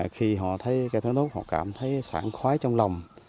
khi họ thấy cây thốt nốt họ cảm thấy sản khoái trong lòng